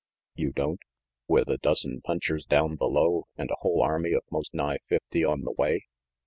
"You don't? With a dozen punchers down below, and a whole army of most nigh fifty on the way."